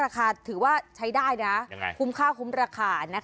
ขายกิโลกรัมละ๑๔๐บาท